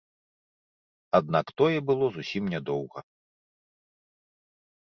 Аднак, тое было зусім нядоўга.